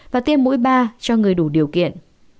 và tiêm mũi ba cho người đủ điều kiện